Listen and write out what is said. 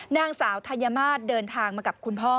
นางสาวธัญมาศเดินทางมากับคุณพ่อ